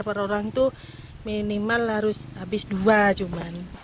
per orang itu minimal harus habis dua cuma